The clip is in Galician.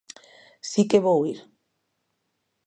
Si que vou ir.